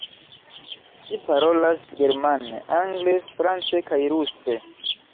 Ŝi parolas germane, angle, france kaj ruse.